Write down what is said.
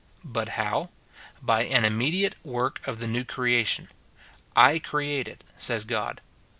But how? By an immediate work of the new creation : "I create it," says God.